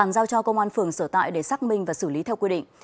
do công an phường sở tại để xác minh và xử lý theo quy định